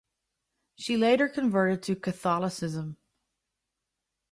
She later converted to Catholicism.